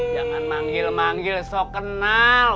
jangan manggil manggil so kenal